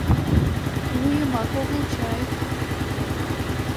Вуйымак огыл чай?